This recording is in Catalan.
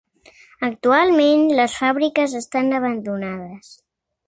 Actualment les fàbriques estan abandonades.